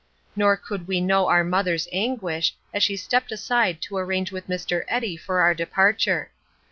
Nor could we know our mother's anguish, as she stepped aside to arrange with Mr. Eddy for our departure.